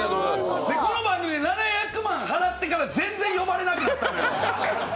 この番組で７００万払ってから全然呼ばれなかったのよ。